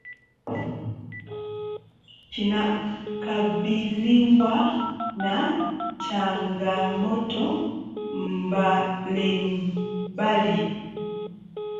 kinakabiliwa na changamoto mbalimbali